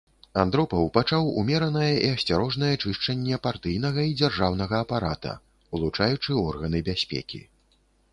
Андропаў пачаў умеранае і асцярожнае чышчанне партыйнага і дзяржаўнага апарата, улучаючы органы бяспекі.